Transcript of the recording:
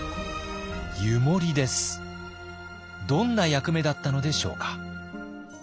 どんな役目だったのでしょうか。